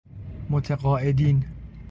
متقاعدین